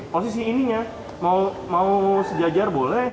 posisi ininya mau sejajar boleh